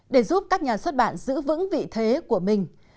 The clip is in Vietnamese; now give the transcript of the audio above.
để giúp các nhà xuất bản giữ vững vị thế của mình